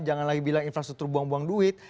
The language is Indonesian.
jangan lagi bilang infrastruktur buang buang duit